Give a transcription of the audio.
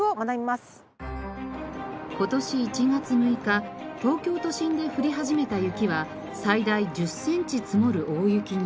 今年１月６日東京都心で降り始めた雪は最大１０センチ積もる大雪に。